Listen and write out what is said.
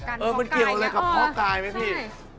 เออมันเกี่ยวอะไรกับเพาะกายไหมพี่